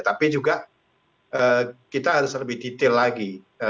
tapi juga kita harus lebih detail lagi